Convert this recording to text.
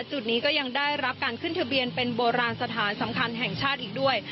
จุดนี้ก็ยังได้รับการขึ้นทะเบียนเป็นโบราณสถานสำคัญแห่งชาติอีกด้วย